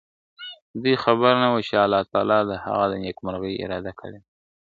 دوی خبر نه وه، چي الله تعالی د هغه د نيکمرغۍ اراده کړې ده.